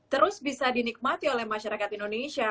terus bisa dinikmati oleh masyarakat indonesia